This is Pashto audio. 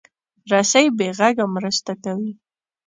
رسۍ بې غږه مرسته کوي.